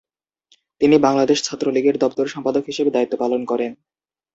তিনি বাংলাদেশ ছাত্রলীগের দপ্তর সম্পাদক হিসেবে দায়িত্ব পালন করেন।